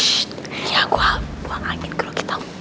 shhh ya gue buang angin ke logitom